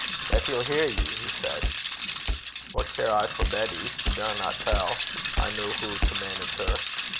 'Betty 'll hear ye,' he said. 'What care I for Betty? She daurna tell. I ken hoo to manage her.'